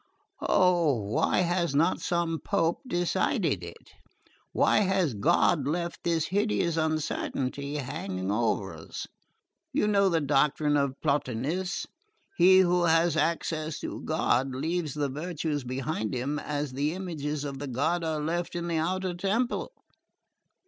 Oh, why has not some Pope decided it? Why has God left this hideous uncertainty hanging over us? You know the doctrine of Plotinus 'he who has access to God leaves the virtues behind him as the images of the gods are left in the outer temple.'